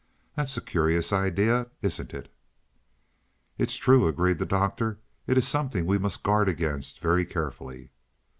"That's a curious idea, isn't it?" "It's true," agreed the Doctor. "It is something we must guard against very carefully."